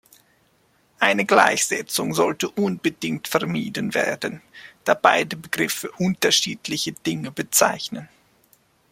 Eine Gleichsetzung sollte unbedingt vermieden werden, da beide Begriffe unterschiedliche Dinge bezeichnen.